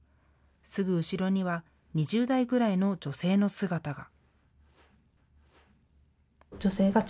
すぐ後ろには２０代ぐらいの女性の姿が。